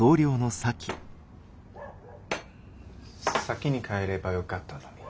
先に帰ればよかったのに。